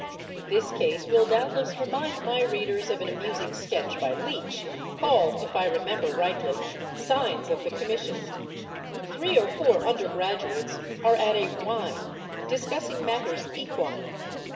This case will doubtless remind my readers of an amusing sketch by Leech, called—if I remember rightly—'Signs of the Commission.' Three or four undergraduates are at a 'wine,' discussing matters equine.